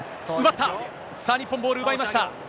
さあ、日本、ボール奪いました。